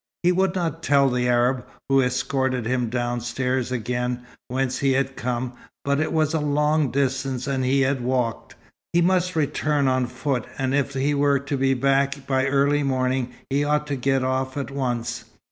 He would not tell the Arab, who escorted him downstairs again, whence he had come, but it was a long distance and he had walked. He must return on foot, and if he were to be back by early morning, he ought to get off at once.